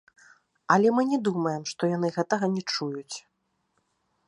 Але мы не думаем, што яны гэтага не чуюць.